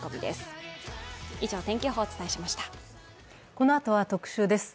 このあとは特集です。